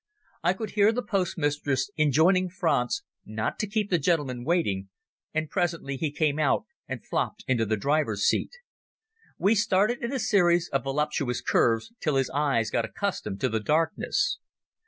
I could hear the post mistress enjoining Franz not to keep the gentleman waiting, and presently he came out and flopped into the driver's seat. We started in a series of voluptuous curves, till his eyes got accustomed to the darkness.